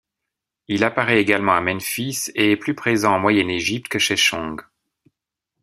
Il apparaît également à Memphis et est plus présent en Moyenne Égypte que Sheshonq.